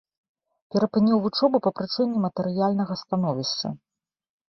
Перапыніў вучобу па прычыне матэрыяльнага становішча.